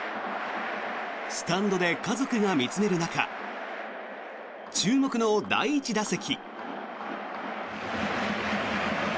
スタンドで家族が見つめる中注目の第１打席。